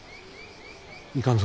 いかんぞ。